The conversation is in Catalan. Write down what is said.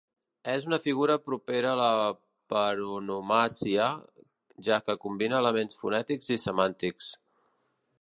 És una figura propera a la paronomàsia, ja que combina elements fonètics i semàntics.